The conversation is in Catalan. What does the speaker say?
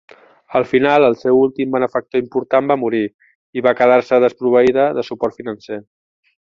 Al final, el seu últim benefactor important va morir i va quedar-se desproveïda de suport financer.